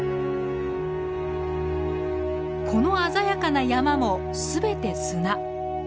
この鮮やかな山も全て砂。